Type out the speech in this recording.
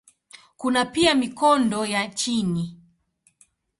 Kuna pia mikondo ya chini.